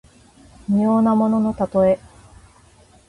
無用なもののたとえ。